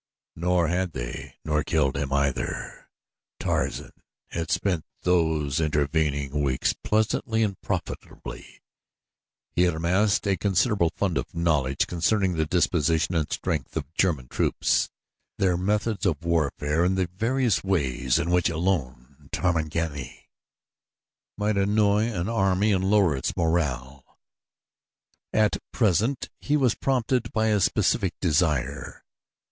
Nor had they, nor killed him either. Tarzan had spent those intervening weeks pleasantly and profitably. He had amassed a considerable fund of knowledge concerning the disposition and strength of German troops, their methods of warfare, and the various ways in which a lone Tarmangani might annoy an army and lower its morale. At present he was prompted by a specific desire.